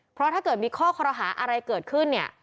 เพราะถ้าเกิดมีข้อคอรหาอะไรเกิดขึ้นเนี่ย